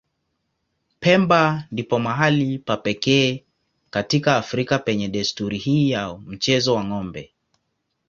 Pemba ndipo mahali pa pekee katika Afrika penye desturi hii ya mchezo wa ng'ombe.